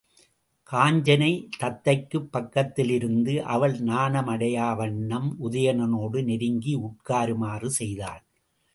காஞ்சனை, தத்தைக்குப் பக்கத்தில் இருந்து, அவள் நாணம் அடையா வண்ணம் உதயணனோடு நெருங்கி உட்காருமாறு செய்தாள்.